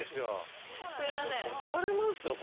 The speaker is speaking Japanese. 怒られますよ。